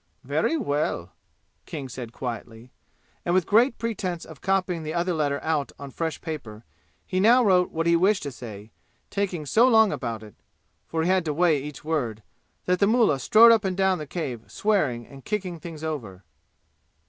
"Very well," King said quietly. And with great pretense of copying the other letter out on fresh paper he now wrote what he wished to say, taking so long about it (for he had to weigh each word), that the mullah strode up and down the cave swearing and kicking things over.